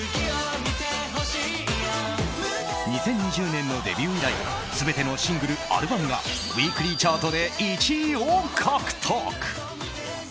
２０２０年のデビュー以来全てのシングル・アルバムがウィークリーチャートで１位を獲得。